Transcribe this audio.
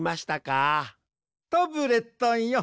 タブレットンよ